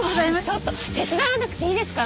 ちょっと手伝わなくていいですから！